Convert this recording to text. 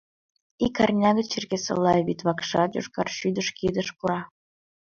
Ик арня гыч Черкесола вӱд вакшат «Йошкар шӱдыр» кидыш пура.